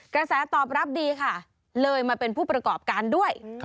กระแสตอบรับดีค่ะเลยมาเป็นผู้ประกอบการด้วย